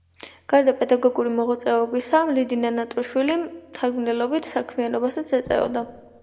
გარდა პედაგოგიური მოღვაწეობისა, ლიდია ნატროშვილი მთარგმნელობით საქმიანობასაც ეწეოდა.